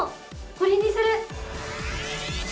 これにする！